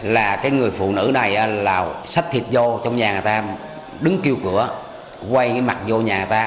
là cái người phụ nữ này là sách thịt vô trong nhà người ta đứng kêu cửa quay cái mặt vô nhà người ta